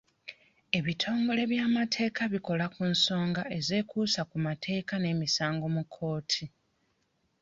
Ebitongole by'amateeka bikola ku nsonga ezeekuusa ku mateeka n'emisango mu kkooti.